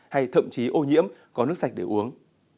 hay thậm chí ô nhiễm có nước sạch để uống